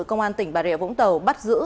công an tỉnh bà rịa vũng tàu bắt giữ